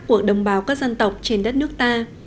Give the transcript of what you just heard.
của đồng bào các dân tộc trên đất nước ta